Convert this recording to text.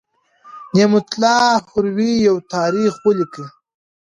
نعمت الله هروي یو تاریخ ولیکه.